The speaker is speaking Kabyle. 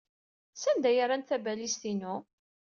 Sanda ay rrant tabalizt-inu?